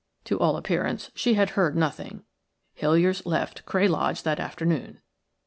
To all appearance she had heard nothing. Hiliers left Cray Lodge that afternoon.